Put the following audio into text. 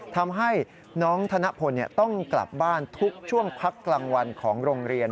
ทำให้น้องธนพลต้องกลับบ้านทุกช่วงพักกลางวันของโรงเรียน